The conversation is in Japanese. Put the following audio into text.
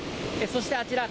そして、あちら。